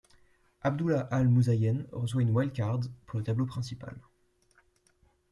Abdullah Al Muzayen reçoit une wildcard pour le tableau principal.